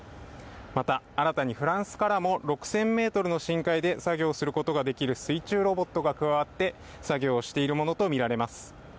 また、新たにフランスからも６０００ｍの深海で作業することができる水中ロボットが加わって作業しているものとみられます。